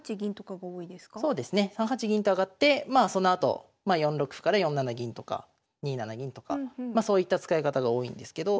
３八銀と上がってまあそのあと４六歩から４七銀とか２七銀とかそういった使い方が多いんですけど。